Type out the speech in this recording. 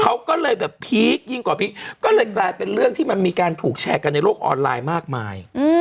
เขาก็เลยแบบพีคยิ่งกว่าพีคก็เลยกลายเป็นเรื่องที่มันมีการถูกแชร์กันในโลกออนไลน์มากมาย